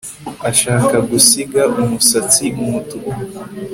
Ashaka gusiga umusatsi umutuku